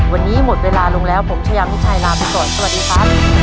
วันนี้หมดเวลาลงแล้ววันนี้ผมชายัมนิชไตล์ลาไปก่อนสวัสดีค่ะ